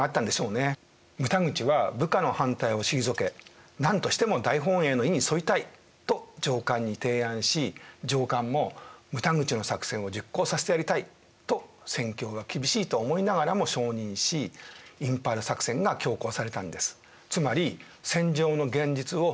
牟田口は部下の反対を退けなんとしても大本営の意に添いたいと上官に提案し上官も牟田口の作戦を実行させてやりたいと戦況が厳しいと思いながらも承認しインパール作戦が強行されたんです。